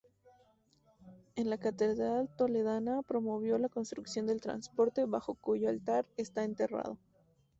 En la catedral toledana promovió la construcción del Transparente, bajo cuyo altar está enterrado.